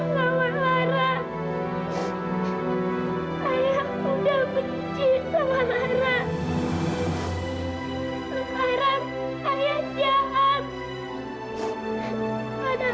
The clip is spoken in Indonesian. kamu bersama anggota bapak rus intel ibadah